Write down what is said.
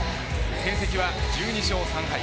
戦績は１２勝３敗。